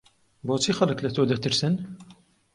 بۆچی خەڵک لە تۆ دەترسن؟